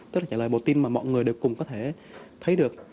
tức là trả lời bộ tin mà mọi người đều cùng có thể thấy được